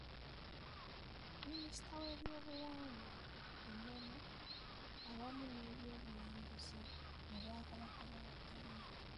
Minisita w’ebyobuwangwa, ennono awamu n’ebyobulambuzi mu Bwakabaka bwa Buganda.